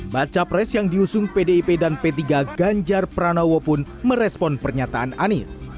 baca pres yang diusung pdip dan p tiga ganjar pranowo pun merespon pernyataan anies